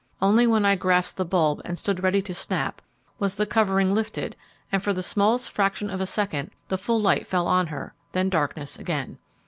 Only when I grasped the bulb and stood ready to snap, was the covering lifted, and for the smallest fraction of a second the full light fell on her; then darkness again.